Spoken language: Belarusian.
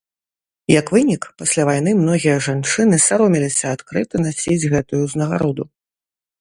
Як вынік, пасля вайны многія жанчыны саромеліся адкрыта насіць гэтую ўзнагароду.